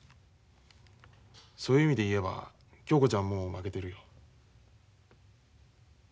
そういう意味で言えば恭子ちゃんはもう負けてるよ。